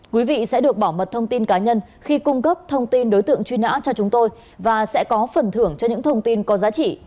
quý vị sẽ được bảo mật thông tin cá nhân khi cung cấp thông tin đối tượng truy nã cho chúng tôi và sẽ có phần thưởng cho những thông tin có giá trị